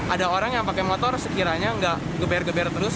ada orang yang pakai motor sekiranya nggak geber geber terus